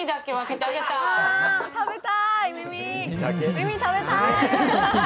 耳食べたい！